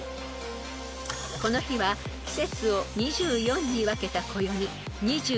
［この日は季節を２４に分けた暦］